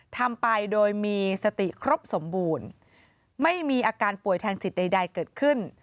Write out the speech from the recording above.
ทำไปโดยมีสติครบสมบูรณ์ไม่มีอาการป่วยทางจิตใดเกิดขึ้น